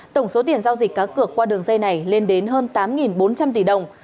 tổng số tiền giao dịch cá cược qua đường dây này lên đến hơn tám bốn trăm linh tỷ đồng